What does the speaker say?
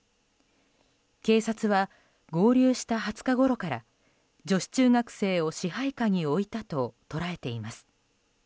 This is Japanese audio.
警察は合流した２０日ごろから女子中学生を支配下に置いたと捉えています。